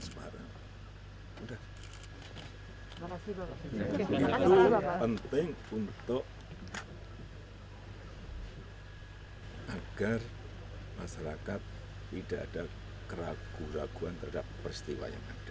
sekarang penting untuk agar masyarakat tidak ada keraguan keraguan terhadap peristiwa yang ada